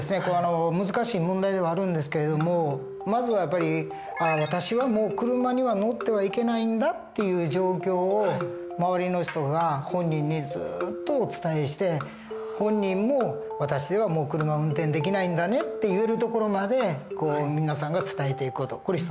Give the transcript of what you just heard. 難しい問題ではあるんですけれどもまずはやっぱり「私はもう車には乗ってはいけないんだ」っていう状況を周りの人が本人にずっとお伝えして本人も「私ではもう車を運転できないんだね」って言えるところまで皆さんが伝えていく事。